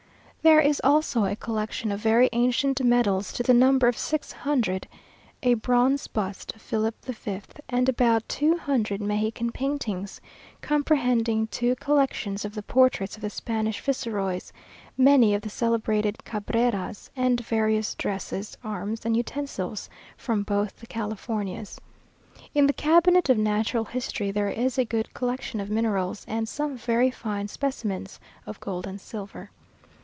There is also a collection of very ancient medals to the number of six hundred, a bronze bust of Philip V, and about two hundred Mexican paintings, comprehending two collections of the portraits of the Spanish viceroys, many of the celebrated Cabrera's, and various dresses, arms, and utensils, from both the Californias. In the cabinet of natural history there is a good collection of minerals, and some very fine specimens of gold and silver.